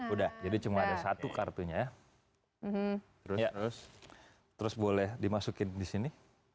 udah jadi cuma ada satu kartunya terus boleh dimasukin di sini